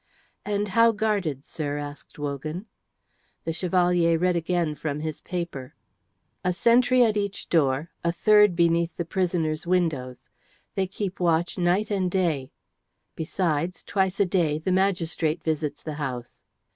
"And how guarded, sir?" asked Wogan. The Chevalier read again from his paper. "A sentry at each door, a third beneath the prisoners' windows. They keep watch night and day. Besides, twice a day the magistrate visits the house."